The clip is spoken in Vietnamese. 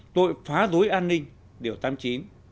tội phá rối an ninh